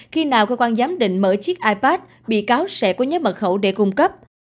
khi nào cơ quan giám định mở chiếc ipad bị cáo sẽ có nhớ mật khẩu để cung cấp